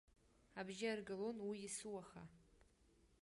Абжьы аргалон уи есуаха.